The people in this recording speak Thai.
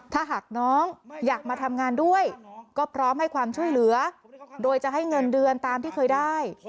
ถ้าหากน้องอยากมาทำงานด้วยก็พร้อมให้ความช่วยเหลือโดยจะให้เงินเดือนตามที่เคยได้